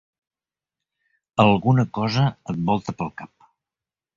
Alguna cosa et volta pel cap.